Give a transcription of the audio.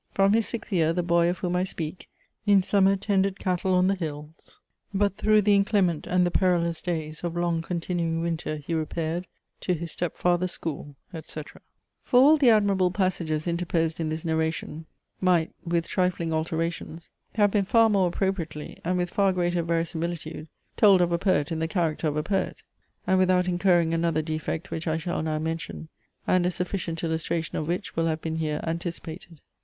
"From his sixth year, the Boy of whom I speak, In summer tended cattle on the Hills; But, through the inclement and the perilous days Of long continuing winter, he repaired To his Step father's School," etc. For all the admirable passages interposed in this narration, might, with trifling alterations, have been far more appropriately, and with far greater verisimilitude, told of a poet in the character of a poet; and without incurring another defect which I shall now mention, and a sufficient illustration of which will have been here anticipated.